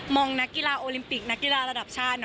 งนักกีฬาโอลิมปิกนักกีฬาระดับชาติ